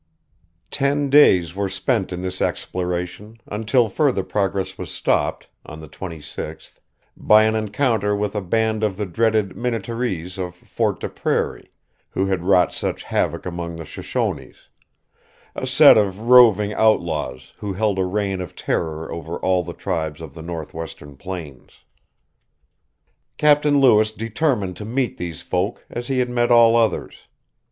Ten days were spent in this exploration, until further progress was stopped, on the 26th, by an encounter with a band of the dreaded Minnetarees of Fort de Prairie, who had wrought such havoc among the Shoshones, a set of roving outlaws, who held a reign of terror over all the tribes of the northwestern plains. Captain Lewis determined to meet these folk as he had met all others.